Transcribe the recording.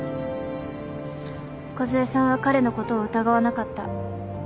梢さんは彼のことを疑わなかった。